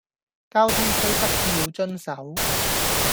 交通規則要遵守